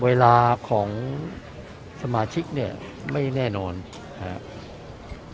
เวลาของสมาชิกเนี่ยไม่แน่นอนนะครับ